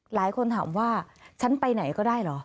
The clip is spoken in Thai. หลายคนถามว่าฉันไปไหนก็ได้เหรอ